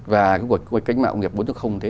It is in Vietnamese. và cuộc kinh mạng công nghiệp bốn